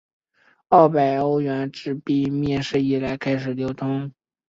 二百欧元纸币面世以来开始流通。